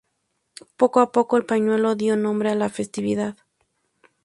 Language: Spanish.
Poco a poco, el pañuelo dio nombre a la festividad.